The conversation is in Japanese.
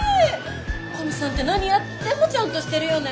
古見さんって何やってもちゃんとしてるよね。